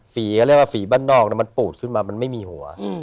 เรียกว่าฝีบ้านนอกมันปูดขึ้นมามันไม่มีหัว